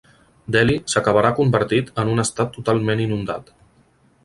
Delhi s'acabarà convertit en un estat totalment inundat.